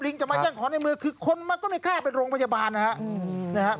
ลิงจะมาเยี่ยงของในมือคือคนมาก็ไม่ค่าเป็นโรงพยาบาลนะครับ